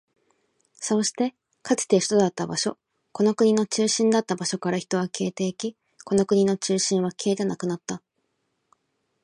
そうして、かつて首都だった場所、この国の中心だった場所から人は消えていき、この国の中心は消えてなくなった。